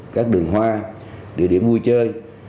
các đường hoa địa điểm vui chơi